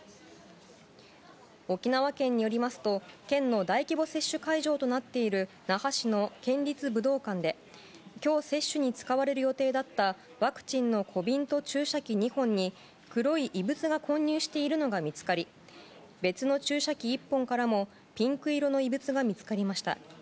沖縄県によりますと県の大規模接種会場となっている那覇市の県立武道館で今日接種に使われる予定だったワクチンの小瓶と注射器２本に黒い異物が混入しているのが見つかり別の注射器１本からもピンク色の異物が見つかりました。